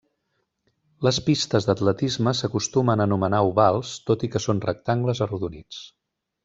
Les pistes d'atletisme s'acostumen a anomenar ovals, tot i que són rectangles arrodonits.